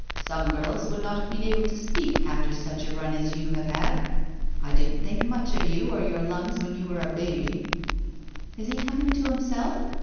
"Some girls would not have been able to speak, after such a run as you have had. I didn't think much of you or your lungs when you were a baby." "Is he coming to himself?"